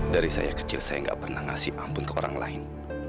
dari saya kecil saya nggak pernah ngasih ampun ke orang lain